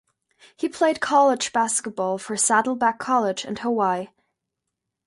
He played college basketball for Saddleback College and Hawaii.